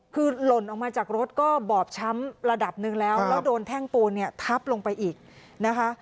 คือหล่นออกมาจากรถก็บอบช้ำระดับหนึ่งแล้วแล้วโดนแท่งปูนเนี่ยทับลงไปอีกนะคะ